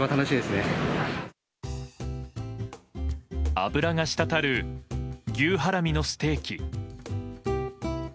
脂がしたたる牛ハラミのステーキ。